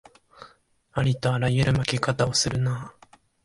ありとあらゆる負け方をするなあ